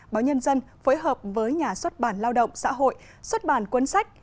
báo nhân dân phối hợp với nhà xuất bản lao động xã hội xuất bản cuốn sách